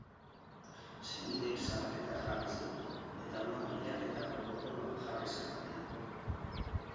Senideek salaketa jarri zuten, eta orduan bilaketa protokoloa jarri zen abian.